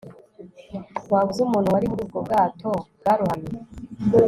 Waba uzi umuntu wari muri ubwo bwato bwarohamye